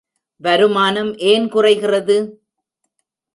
வருமானம் ஏன் குறைகிறது?